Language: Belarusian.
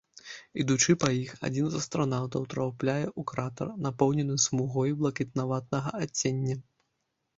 Ідучы па іх, адзін з астранаўтаў трапляе у кратар, напоўнены смугой блакітнаватага адцення.